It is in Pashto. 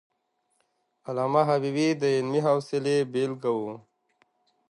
علامه حبيبي د علمي حوصلي بېلګه وو.